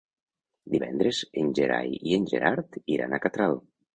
Divendres en Gerai i en Gerard iran a Catral.